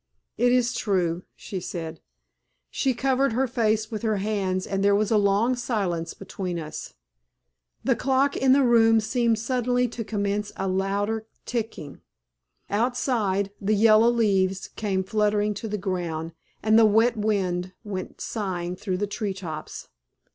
"It is true," she said. She covered her face with her hands and there was a long silence between us. The clock in the room seemed suddenly to commence a louder ticking; outside, the yellow leaves came fluttering to the ground, and the wet wind went sighing through the tree tops.